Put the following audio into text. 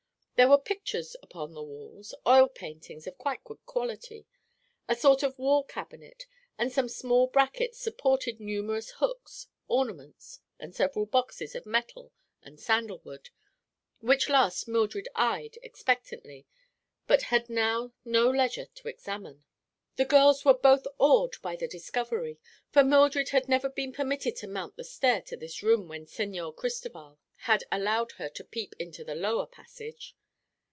There were pictures upon the walls; oil paintings of quite good quality. A sort of wall cabinet and some small brackets supported numerous hooks, ornaments, and several boxes of metal and sandalwood, which last Mildred eyed expectantly but had now no leisure to examine. The girls were both awed by this discovery, for Mildred had never been permitted to mount the stair to this room when Señor Cristoval had allowed her to peep into the lower passage.